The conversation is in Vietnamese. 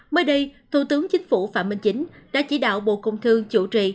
mới đây thủ tướng chính phủ phạm minh chính đã chỉ đạo bộ công thương chủ trì